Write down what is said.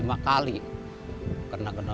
kena kena benda tajam termasuk beling itu